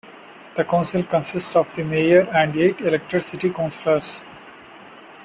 The council consists of the mayor and eight elected city councillors.